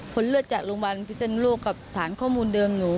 เลือดจากโรงพยาบาลพิศนุโลกกับฐานข้อมูลเดิมหนู